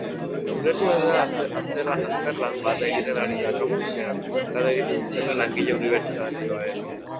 Unibertsitatea azterlan bat egiten ari da campusean lan egiten duten langile unibertsitarioen mugikortasunari buruz.